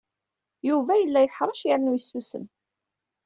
Yuba yella yeḥṛec yernu isusem.